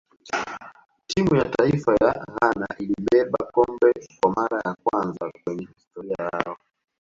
timu ya taifa ya ghana ilibeba kikombe kwa mara ya kwanza kwenye historia yao